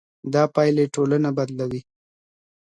دا پايلې ټولنه بدلوي.